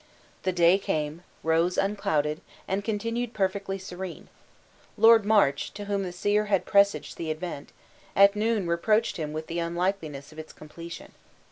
The day came, rose unclouded, and continued perfectly serene. Lord March, to whom the seer had presaged the event, at noon reproached him with the unlikeliness of its completion.